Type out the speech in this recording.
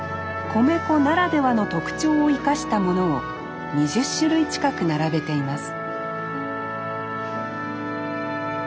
米粉ならではの特長を生かしたものを２０種類近く並べています